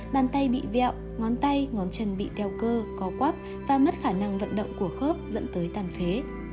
bàn tay bị vẹo ngón tay ngón chân bị teo cơ có quắp và mất khả năng vận động của khớp dẫn tới tàn phế